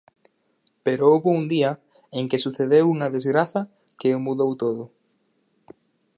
Pero houbo un día en que sucedeu unha desgraza que o mudou todo.